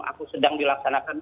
aku sedang dilaksanakan